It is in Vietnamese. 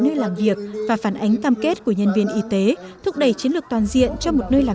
nơi làm việc và phản ánh cam kết của nhân viên y tế thúc đẩy chiến lược toàn diện cho một nơi làm